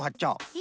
え！